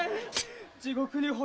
地獄に仏。